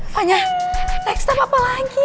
fanya next step apa lagi